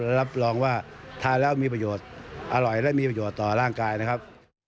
รับรองว่าทานแล้วมีประโยชน์อร่อยและมีประโยชน์ต่อร่างกายนะครับ